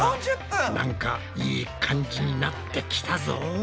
なんかいい感じになってきたぞ。